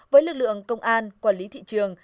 với lực lượng công an quản lý thị trường